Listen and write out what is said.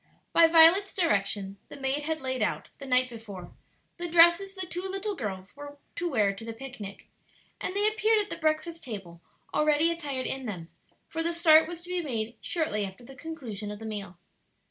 By Violet's direction the maid had laid out, the night before, the dresses the two little girls were to wear to the picnic, and they appeared at the breakfast table already attired in them; for the start was to be made shortly after the conclusion of the meal.